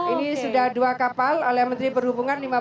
ini sudah dua kapal oleh menteri perhubungan